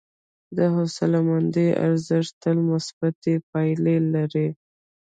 د حوصلهمندي ارزښت تل مثبتې پایلې لري.